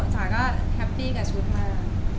ให้ทุกคนสงสัยดีกว่า